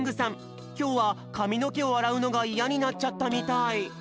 きょうはかみのけをあらうのがイヤになっちゃったみたい。